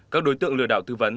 các đối tượng lừa đảo thư vấn